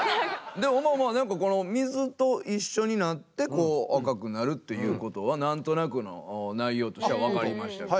でもまあまあ何かこの水と一緒になって赤くなるということは何となくの内容としてはわかりましたけど。